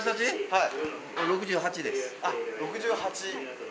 はい。